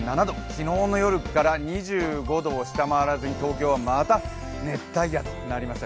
昨日の夜から２５度を下回らずに東京はまた熱帯夜となりました。